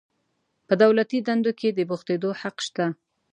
په دولتي دندو کې د بوختیدو حق شته.